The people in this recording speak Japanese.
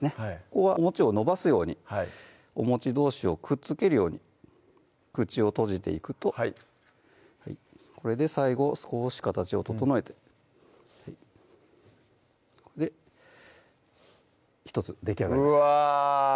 ここはもちを伸ばすようにおもちどうしをくっつけるように口を閉じていくとこれで最後少し形を整えて１つできあがりましたうわ